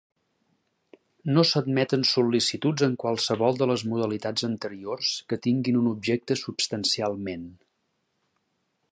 No s'admeten sol·licituds en qualsevol de les modalitats anteriors que tinguin un objecte substancialment.